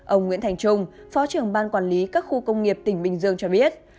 ông nguyễn thành trung phó trưởng ban quản lý các khu công nghiệp tỉnh bình dương cho biết